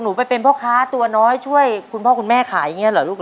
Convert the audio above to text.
ไปเป็นพ่อค้าตัวน้อยช่วยคุณพ่อคุณแม่ขายอย่างนี้เหรอลูกเห